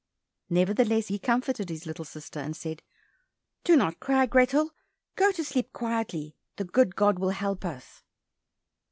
Nevertheless he comforted his little sister, and said, "Do not cry, Grethel, go to sleep quietly, the good God will help us."